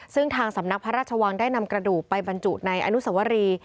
ซึ่งทางสำนักพระราชวังได้นำกระดูกไปบรรจุในอนุสวรี